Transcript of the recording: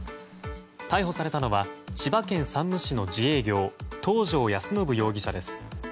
逮捕されたのは千葉県山武市の自営業東條安伸容疑者です。